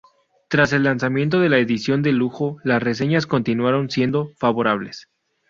Tras el lanzamiento de la edición de lujo las reseñas continuaron siendo favorables.